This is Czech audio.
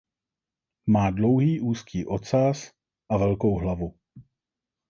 Má dlouhý úzký ocas a velkou hlavu.